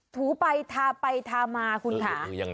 ถูไปทาไปทามาคุณค่ะ